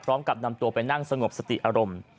พร้อมกับนำตัวไปนั่งสงบสติอารมณ์